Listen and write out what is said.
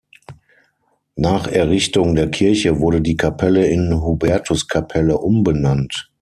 Nach Errichtung der Kirche wurde die Kapelle in Hubertuskapelle umbenannt.